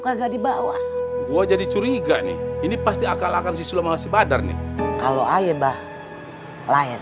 kagak dibawa gua jadi curiga nih ini pasti akal akan siswa masih badar nih kalau ayo bah lain